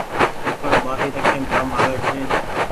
ٽيپڻ ٻآٽي رکيم ڪآ ڪآم آوي ڇي۔